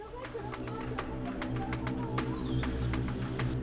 jangan lupa berikan uang untuk para pemain yang sudah berhasil menangkap mereka saat tampil